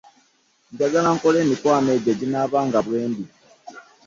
Njagala nkole emikwano egyo egindaba nga bwe ndi.